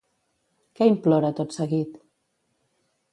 Què implora tot seguit?